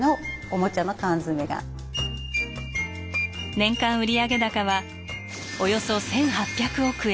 年間売上高はおよそ１，８００億円。